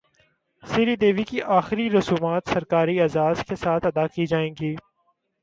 سری دیوی کی اخری رسومات سرکاری اعزاز کے ساتھ ادا کی جائیں گی